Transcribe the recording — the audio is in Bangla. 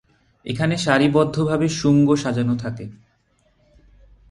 এখানে সারিবদ্ধভাবে শুঙ্গ সাজানো থাকে।